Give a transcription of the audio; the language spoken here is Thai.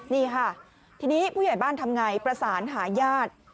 นี่ค่ะทีนี้ผู้ใหญ่บ้านทำอย่างไรประสานหายาท